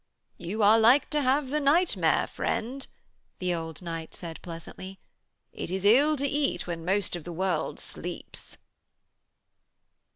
'You are like to have the nightmare, friend,' the old knight said pleasantly. 'It is ill to eat when most of the world sleeps.'